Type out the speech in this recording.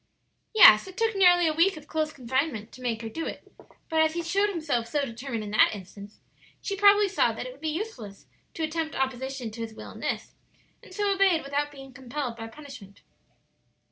"Yes; it took nearly a week of close confinement to make her do it; but as he showed himself so determined in that instance, she probably saw that it would be useless to attempt opposition to his will in this, and so obeyed without being compelled by punishment."